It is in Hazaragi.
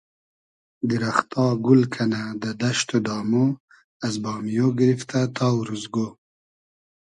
دیرئختا گول کئنۂ دۂ دئشت و دامۉ از بامیۉ گیریفتۂ تا اوروزگۉ